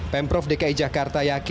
pemprov dki jakarta yakini